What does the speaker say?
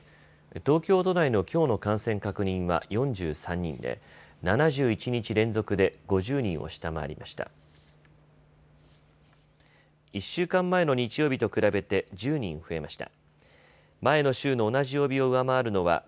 東京都内のきょうの感染確認は４３人で７１日連続で５０人を下回りました。